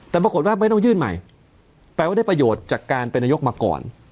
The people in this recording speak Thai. แต่ปรากฏว่าไม่ต้องยื่นใหม่แปลว่าได้ประโยชน์จากการเป็นนายกมาก่อน